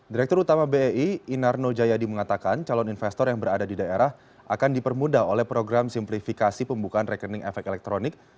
direktur utama bei inarno jayadi mengatakan calon investor yang berada di daerah akan dipermudah oleh program simplifikasi pembukaan rekening efek elektronik